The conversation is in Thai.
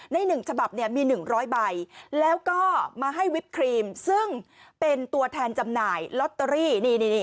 ในหนึ่งฉบับเนี่ยมีหนึ่งร้อยใบแล้วก็มาให้วิปครีมซึ่งเป็นตัวแทนจำหน่ายล็อตเตอรี่นี่นี่นี่